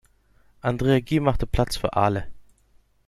Andrea Ge machte Platz für Ale.